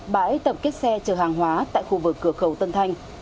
bãi tập kết xe chở hàng hóa tại khu vực cửa khẩu tân thanh